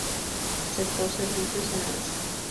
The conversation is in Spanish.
Sector servicios en alza.